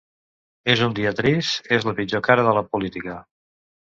És un dia trist, és la pitjor cara de la política.